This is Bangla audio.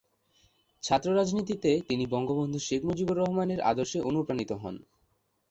ছাত্র রাজনীতিতে তিনি বঙ্গবন্ধু শেখ মুজিবুর রহমানের আদর্শে অনুপ্রাণিত হন।